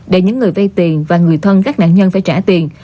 để những người vay tiền và người thân các nạn nhân phải trả tiền